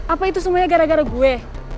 apa itu semuanya gara gara gue